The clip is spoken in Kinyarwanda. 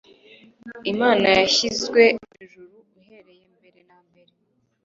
imana yashyizwe hejuru uhereye mbere na mbere